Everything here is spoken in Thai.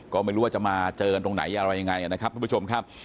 ก็ไม่รู้ว่าจะมาเจอกันตรงไหนอะไรยังไงนะครับทุกผู้ชมครับ